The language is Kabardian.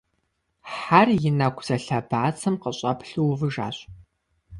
Хьэр и нэкӀу зэлъа бацэм къыщӀэплъу увыжащ.